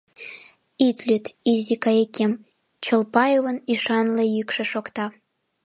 — Ит лӱд, изи кайыкем, — Чолпаевын ӱшанле йӱкшӧ шокта.